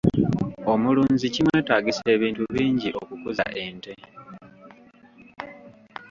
Omulunzi kimweetaagisa ebintu bingi okukuza ente.